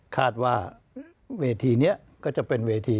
คาดว่าเวทีนี้ก็จะเป็นเวที